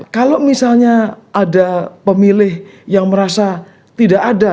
kalau misalnya ada pemilih yang merasa tidak ada